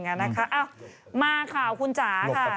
นะคะมาข่าวคุณจ๋าค่ะ